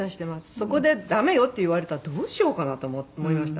そこで駄目よって言われたらどうしようかなと思いました。